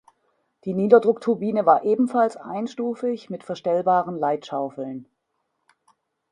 Die Niederdruckturbine war ebenfalls einstufig, mit verstellbaren Leitschaufeln.